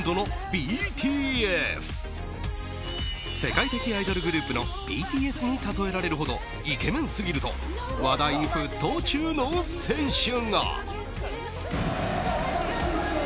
世界的アイドルグループのＢＴＳにたとえられるほどイケメンすぎると話題沸騰中の選手が。